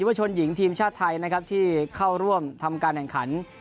วชนหญิงทีมชาติไทยนะครับที่เข้าร่วมทำการแข่งขัน